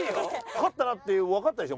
勝ったなっていうわかったでしょ